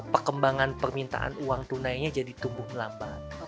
perkembangan permintaan uang tunainya jadi tumbuh melambat